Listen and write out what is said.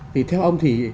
thì theo ông thì